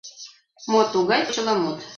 Мо тугай почеламут?